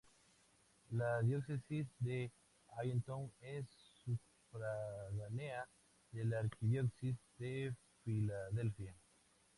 La Diócesis de Allentown es sufragánea de la Arquidiócesis de Filadelfia.